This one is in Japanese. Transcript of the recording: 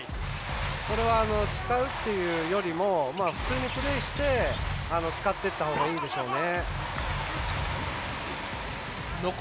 それは使うというよりも普通にプレーして、使っていったほうがいいでしょうね。